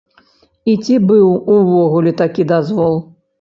І ці быў увогуле такі дазвол?